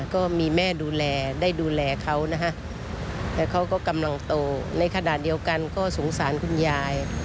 ก็มีแม่ดูแลได้ดูแลเขานะฮะแต่เขาก็กำลังโตในขณะเดียวกันก็สงสารคุณยาย